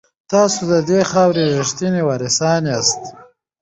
تاسو د دې خاورې ریښتیني وارثان یاست.